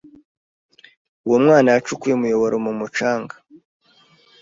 Uwo mwana yacukuye umuyoboro mu mucanga.